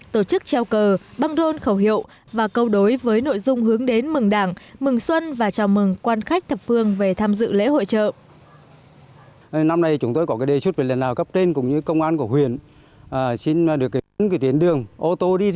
tổ chức treo cờ băng rôn khẩu hiệu và câu đối với nội dung hướng đến mừng đảng mừng xuân và chào mừng quan khách thập phương về tham dự lễ hội chợ